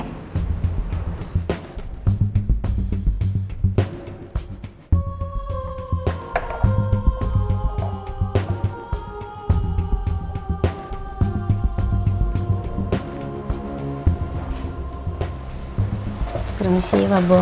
permisi pak bos